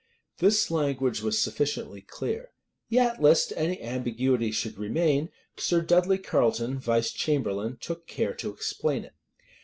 This language was sufficiently clear: yet lest any ambiguity should remain, Sir Dudley Carleton, vice chamberlain, took care to explain it.